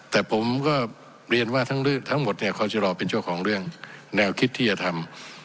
แต่ผมก็เรียนว่าทั้งหมดเนี่ยคอชรอเป็นเจ้าของเรื่องแนวคิดที่จะทำ